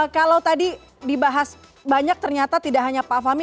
kalau tadi dibahas banyak ternyata tidak hanya pak fahmi